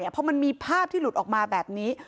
พอมันมีภาพที่หลุดออกมาแบบนี้